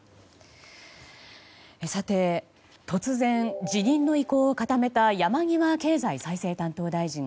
さて、突然辞任の意向を固めた山際経済再生担当大臣。